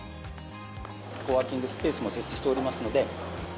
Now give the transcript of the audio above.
コワーキングスペースも設置しておりますので。